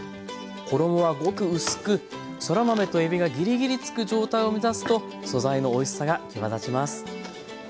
衣はごく薄くそら豆とえびがぎりぎりつく状態を目指すと素材のおいしさが際立ちます。